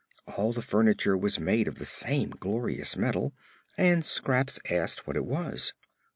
All the furniture was made of the same glorious metal, and Scraps asked what it was.